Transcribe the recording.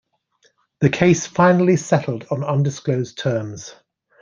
The case finally settled on undisclosed terms.